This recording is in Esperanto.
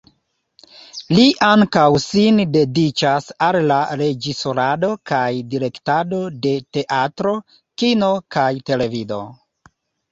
Li ankaŭ sin dediĉas al la reĝisorado kaj direktado de teatro, kino kaj televido.